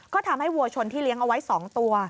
ก็ทำให้วัวชนที่เลี้ยงเอาไว้๒ตัว